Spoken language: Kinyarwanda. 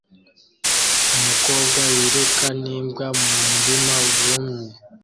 Umukobwa yiruka n'imbwa mu murima wumye